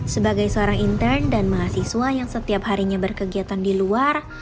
sebagai seorang intern dan mahasiswa yang setiap harinya berkegiatan di luar